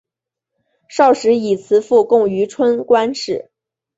少时以辞赋贡于春官氏。